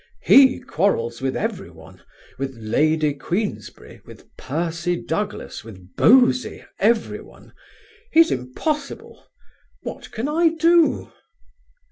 He quarrels with everyone; with Lady Queensberry, with Percy Douglas, with Bosie, everyone. He's impossible. What can I do?"